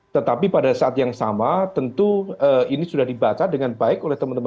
tetapi pada saat yang sama tentu ini sudah dibaca dengan baik oleh teman teman